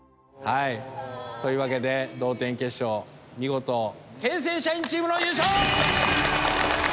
というわけで同点決勝見事京成社員チームの優勝！